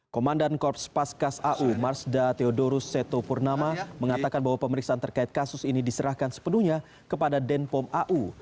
komandan korps paskas au marsda theodorus setopurnama mengatakan bahwa pemeriksaan terkait kasus ini diserahkan sepenuhnya kepada denpom au